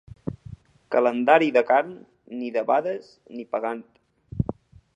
Calendari de carn, ni debades, ni pagant.